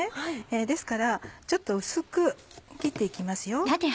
ですからちょっと薄く切って行きます。